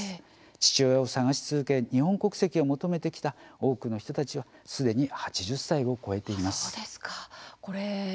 父親を捜し続け、日本国籍を求めてきた多くの人たちはすでに８０歳を超えています。